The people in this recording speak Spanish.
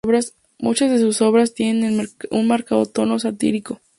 Muchas de sus obras tiene un marcado tono satírico.